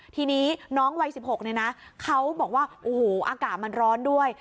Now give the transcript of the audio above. ทีนี้น้องวัย๑๖เนี่ยนะเขาบอกว่าโอ้โหอากาศมันร้อนด้วย